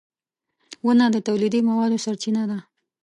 • ونه د تولیدي موادو سرچینه ده.